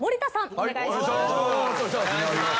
お願いします。